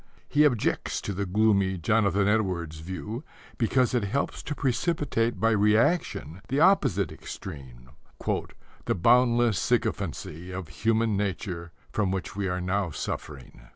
He objects to the gloomy Jonathan Edwards view, because it helps to precipitate by reaction the opposite extreme "the boundless sycophancy of human nature from which we are now suffering."